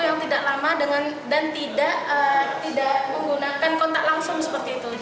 yang tidak lama dengan dan tidak tidak menggunakan kontak langsung